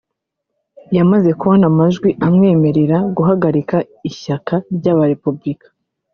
yamaze kubona amajwi amwemerera guhagararira ishyaka ry’aba-Republicain